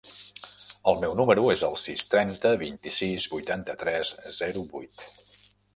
El meu número es el sis, trenta, vint-i-sis, vuitanta-tres, zero, vuit.